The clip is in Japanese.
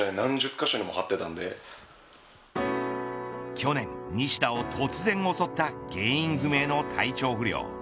去年、西田を突然襲った原因不明の体調不良。